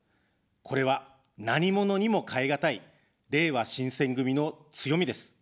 これは何物にも替え難い、れいわ新選組の強みです。